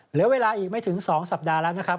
เหลือเวลาอีกไม่ถึง๒สัปดาห์แล้วนะครับ